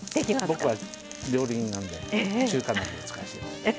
僕は料理人なんで中華鍋を使わせて頂きます。